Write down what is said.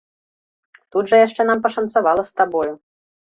Тут жа яшчэ нам пашанцавала з табою.